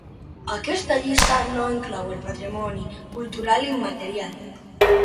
Aquesta llista no inclou el Patrimoni Cultural Immaterial.